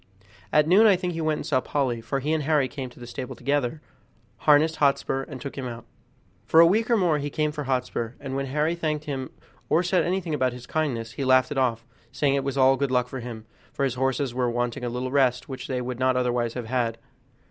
At noon I think he went and saw Polly, for he and Harry came to the stable together, harnessed Hotspur, and took him out. For a week or more he came for Hotspur, and when Harry thanked him or said anything about his kindness, he laughed it off, saying it was all good luck for him, for his horses were wanting a little rest which they would not otherwise have had.